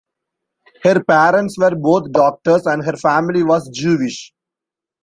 Her parents were both doctors, and her family was Jewish.